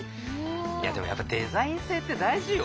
いやでもやっぱりデザイン性って大事よ。